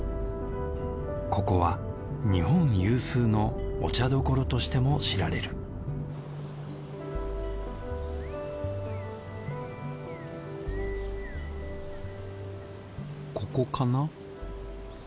ここは日本有数のお茶どころとしても知られるここかな？